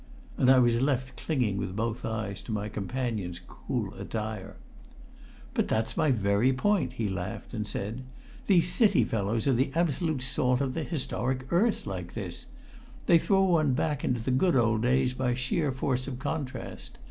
And I was left clinging with both eyes to my companion's cool attire. "But that's my very point," he laughed and said. "These City fellows are the absolute salt of historic earth like this; they throw one back into the good old days by sheer force of contrast.